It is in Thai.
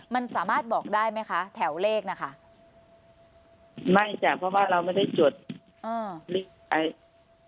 มันสามารถบอกได้ไหมคะแถวเลขนะคะไม่จ้ะเพราะว่าเราไม่ได้จดอ่า